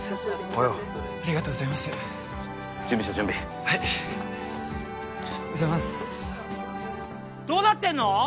おはようありがとうございます準備しろ準備はいおはようございますどうなってんの？